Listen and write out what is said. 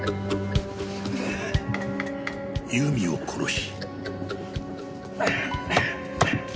由美を殺し。